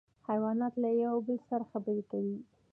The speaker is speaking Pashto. حیوانات له یو بل سره خبرې کوي